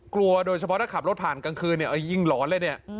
โดยเฉพาะถ้าขับรถผ่านกลางคืนเนี่ยยิ่งหลอนเลยเนี่ย